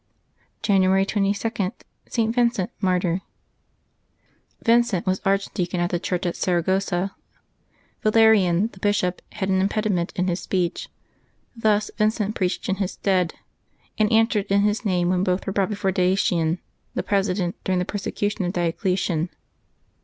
January 22.— ST. VINCENT, Martjo*. VINCENT was archdeacon of the church at Saragossa. Valerian^ the bishop, had an impediment in his speech; thus Vincent preached in his stead, and answered in his name when both were brought before Dacian, the president, during the persecution of Diocletian.